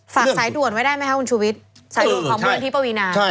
สายด่วนไว้ได้ไหมคะคุณชูวิทย์สายด่วนของมูลนิธิปวีนา